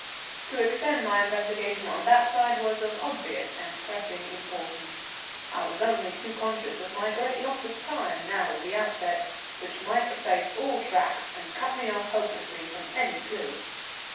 To extend my investigation on that side was of obvious and pressing importance. I was only too conscious of my great loss of time, now at the outset, which might efface all tracks and cut me off hopelessly from any clue.